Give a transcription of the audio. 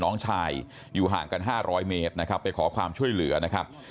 น้องชายอยู่ห่างกัน๕๐๐เมตรนะครับไปขอความช่วยเหลือนะครับ